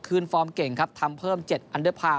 ฟอร์มเก่งครับทำเพิ่ม๗อันเดอร์พาร์